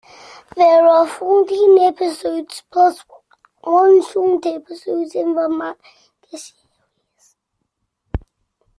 There are fourteen episodes plus one short episode in the manga series.